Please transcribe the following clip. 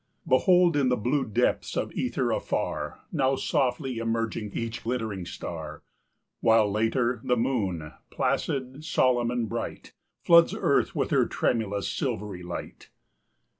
Behold, in the blue depths of ether afar, Now softly emerging each glittering star; While, later, the moon, placid, solemn and bright, Floods earth with her tremulous, silvery light.